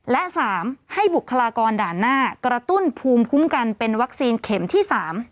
และ๓ให้บุคลากรด่านหน้ากระตุ้นภูมิคุ้มกันเป็นวัคซีนเข็มที่๓